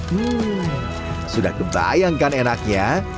hmm sudah kebayangkan enaknya